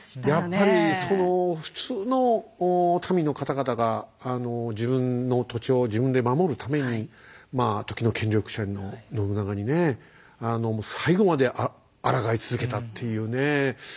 やっぱりその普通の民の方々が自分の土地を自分で守るためにまあ時の権力者の信長にねえ最後まであらがい続けたっていうね。